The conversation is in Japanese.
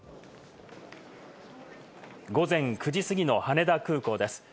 午前９時過ぎの羽田空港です。